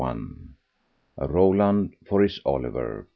— A ROLAND FOR HIS OLIVER 1.